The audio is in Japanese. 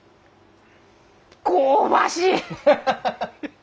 香ばしい！